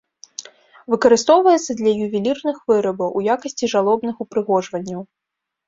Выкарыстоўваецца для ювелірных вырабаў, у якасці жалобных упрыгожванняў.